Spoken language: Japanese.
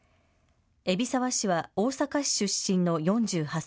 海老澤氏は大阪市出身の４８歳。